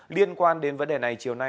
liên quan đến vấn đề này chiều nay